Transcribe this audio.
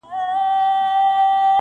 نن په څشي تودوې ساړه رګونه!